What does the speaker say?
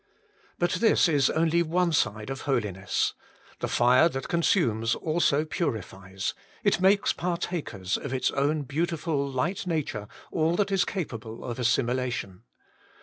But this is only one side of Holiness. The fire that consumes also purifies : it makes partakers of its own beautiful Light nature all that is capable of assimilation.